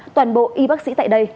toàn bộ y bác sĩ tại đây